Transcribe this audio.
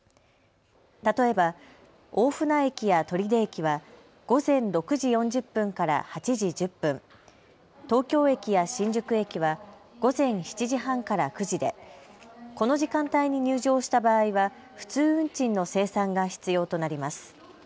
例えば大船駅や取手駅は午前６時４０分から８時１０分、東京駅や新宿駅は午前７時半から９時でこの時間帯に入場した場合は普通運賃の精算が必要となります。